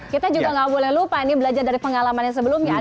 kita juga nggak boleh lupa ini belajar dari pengalaman yang sebelumnya